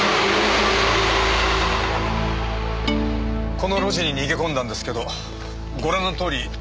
この路地に逃げ込んだんですけどご覧のとおり行き止まりで。